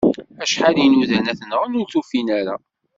Acḥal i nudan ad t-nɣen ur t-ufin ara.